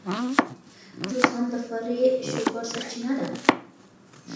جوس هم د فري شوګر سرچینه ده.